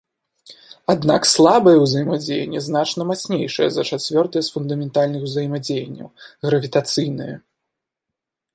Аднак слабае ўзаемадзеянне значна мацнейшае за чацвёртае з фундаментальных узаемадзеянняў, гравітацыйнае.